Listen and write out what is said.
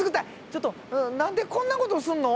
ちょっと何でこんなことすんの？